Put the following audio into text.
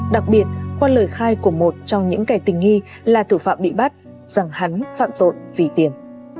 đặc biệt khoan lời khai của một trong những kẻ tình nghi là thủ phạm bị bắt rằng hắn phạm tội vì tiền